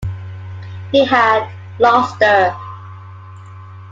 He had lost her.